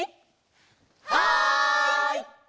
はい！